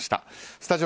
スタジオ